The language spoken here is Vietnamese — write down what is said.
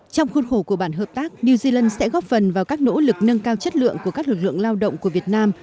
trong khuôn khổ của bản hợp tác new zealand sẽ góp phần vào các nỗ lực nâng cao chất lượng của các lực lượng lao động của việt nam